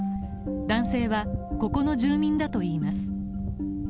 男性は、ここの住民だといいます。